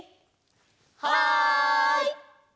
はい！